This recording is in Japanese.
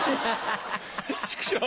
チクショ。